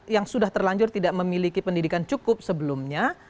yang sudah terlanjur tidak memiliki pendidikan cukup sebelumnya